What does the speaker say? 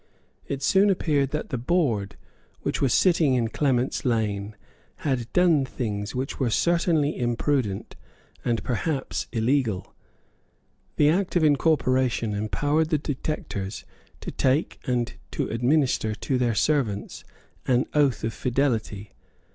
It soon appeared that the Board which was sitting in Clement's Lane had done things which were certainly imprudent and perhaps illegal. The Act of Incorporation empowered the detectors to take and to administer to their servants an oath of fidelity.